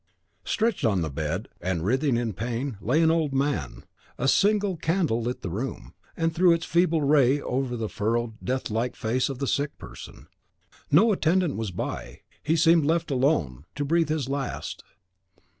Stretched on the bed, and writhing in pain, lay an old man; a single candle lit the room, and threw its feeble ray over the furrowed and death like face of the sick person. No attendant was by; he seemed left alone, to breathe his last.